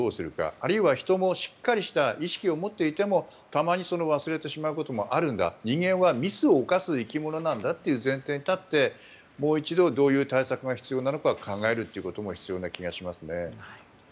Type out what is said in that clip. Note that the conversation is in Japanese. あるいは人もしっかりした意識を持っていてもたまに忘れてしまうこともあるんだ人間はミスを犯す生き物なんだという前提に立ってもう一度どういう対策が必要なのか考えるということも必要な気がしますね。